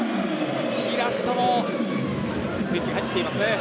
平下もスイッチが入ってきていますね。